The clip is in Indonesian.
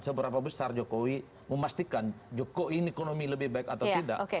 seberapa besar jokowi memastikan jokowi ini ekonomi lebih baik atau tidak